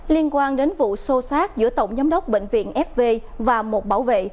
liên quan đến vụ xô xát giữa tổng giám đốc bệnh viện fv và một bảo vệ